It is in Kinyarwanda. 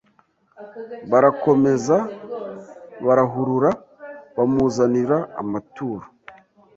barakomeza barahurura, bamuzanira amaturo